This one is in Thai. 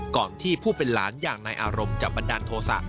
ก่อนที่ผู้เป็นหลานอย่างนายอารมณ์จะบันดาลโทษะ